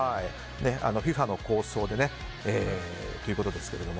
ＦＩＦＡの構想でということです。